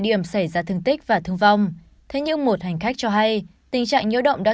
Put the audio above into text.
điểm xảy ra thương tích và thương vong thế nhưng một hành khách cho hay tình trạng nhiễu động đã